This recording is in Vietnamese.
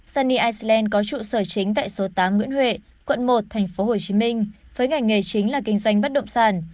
sunny island có trụ sở chính tại số tám nguyễn huệ quận một thành phố hồ chí minh với ngành nghề chính là kinh doanh bất động sản